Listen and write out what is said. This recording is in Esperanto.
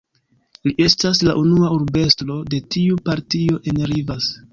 Li estas la unua urbestro de tiu partio en Rivas.